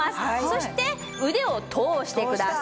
そして腕を通してください。